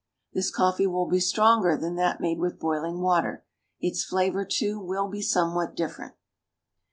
This coffee will be stronger than that made with boiling water; its flavor, too, will be somewhat different.